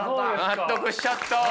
納得しちゃった！